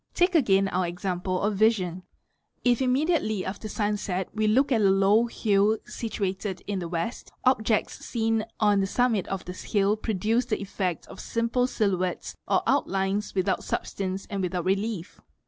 Take again our example of vision. If it mediately after sunset we look at a low hill situated in the. west, objects seen on the summit of this hill produce the effect of simple ' silhouettes or outlines without substance and without relief.